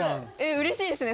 うれしいですね。